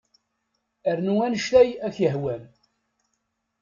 Ru anect ay ak-yehwan.